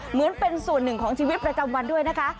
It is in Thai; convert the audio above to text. เหมือนเป็นส่วนหนึ่งของชีวิตประจำวันด้วยนะคะ